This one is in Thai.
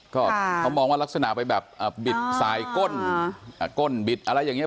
ค่ะเขามองว่ารักษณะไปแบบอ่าบิดสายก้นอ่าก้นบิดอะไรอย่างเงี้ย